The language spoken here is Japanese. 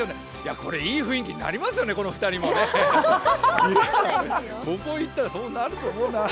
これいい雰囲気になりますよね、この２人もね、ここ行ったらそうなると思うな。